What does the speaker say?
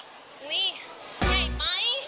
อุ๊ยไงไหม